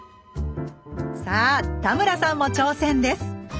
さあ田村さんも挑戦です